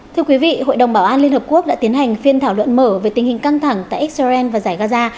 thưa quý vị hội đồng bảo an liên hợp quốc đã tiến hành phiên thảo luận mở về tình hình căng thẳng tại israel và giải gaza